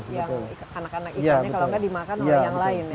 yang anak anak ikannya kalau nggak dimakan oleh yang lain ya